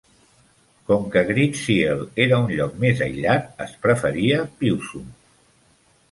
Com que Greetsiel era un lloc més aïllat, es preferia Pewsum.